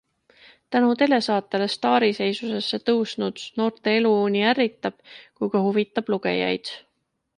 Tänu telesaatele staariseisusesse tõusnud noorte elu nii ärritab kui ka huvitab lugejaid.